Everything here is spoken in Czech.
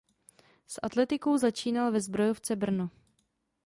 S atletikou začínal ve Zbrojovce Brno.